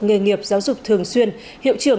nghề nghiệp giáo dục thường xuyên hiệu trường